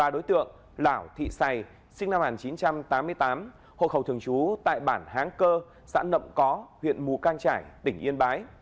đối tượng mùa thị tàng sinh năm hàn chín trăm tám mươi tám hộ khẩu thường chú tại bản huy páo xã nộng có huyện mù cang trải tỉnh yên bái